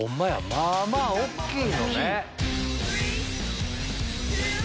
まぁまぁ大きいのね。